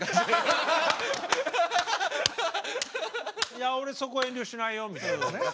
「いや俺そこは遠慮しないよ」みたいなね。